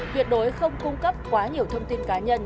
tuyệt đối không cung cấp quá nhiều thông tin cá nhân